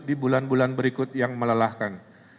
di bulan bulan berikut yang melelahkan